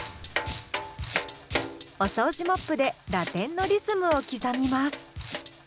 お掃除モップでラテンのリズムを刻みます。